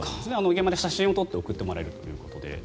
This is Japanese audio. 現場で写真を撮って送ってもらえるということで。